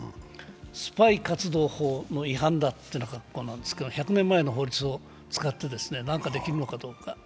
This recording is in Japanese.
スパイ活動法の違反だという格好なんですけれども、１００年前の法律を使って何かできるのかどうか。